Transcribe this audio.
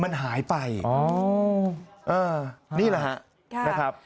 มันหายไปนี่นะครับ